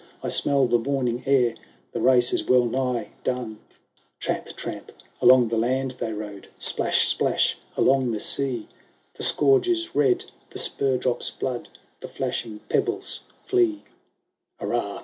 I smell the morning air ; The race is well nigh done." LVII Tramp ! tramp ! along the land they rode, Sj>lash! splash! along the sea; The scourge is red. the spur drops blood, The flashing pebbles flee. 716 WILLIAM AND HELEN. " Hurrah